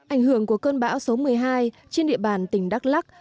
ảnh hưởng của cơn bão số một mươi hai trên địa bàn tỉnh đắk lắc